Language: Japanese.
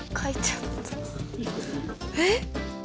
えっ？